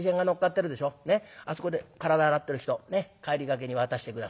あそこで体洗ってる人ねっ帰りがけに渡して下さい。